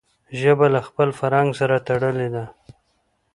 ژبه له خپل فرهنګ سره تړلي ده.